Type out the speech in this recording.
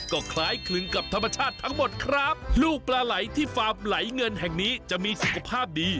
ก็คล้ายคลึงกับธรรมชาติทั้งหมดครับลูกปลาไหลที่ฟาร์มไหลเงินแห่งนี้จะมีสุขภาพดี